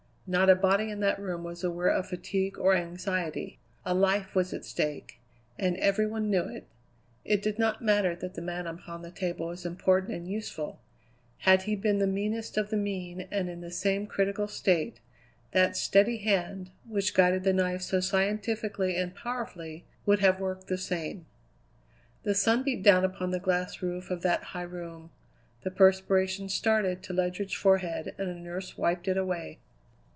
Not a body in that room was aware of fatigue or anxiety. A life was at stake, and every one knew it. It did not matter that the man upon the table was important and useful: had he been the meanest of the mean and in the same critical state, that steady hand, which guided the knife so scientifically and powerfully, would have worked the same. The sun beat down upon the glass roof of that high room; the perspiration started to Ledyard's forehead and a nurse wiped it away.